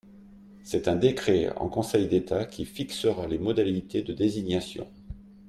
C’est un décret en Conseil d’État qui fixera les modalités de désignation.